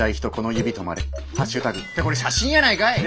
＃てこれ写真やないかい＃